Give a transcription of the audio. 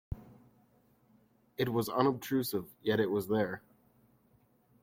It was unobtrusive, yet it was there.